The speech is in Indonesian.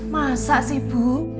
masa sih bu